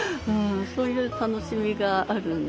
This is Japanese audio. そういう楽しみがあるんで。